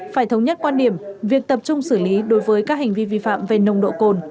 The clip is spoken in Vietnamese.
phải thống nhất quan điểm việc tập trung xử lý đối với các hành vi vi phạm về nồng độ cồn